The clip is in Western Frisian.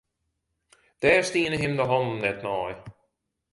Dêr stienen him de hannen net nei.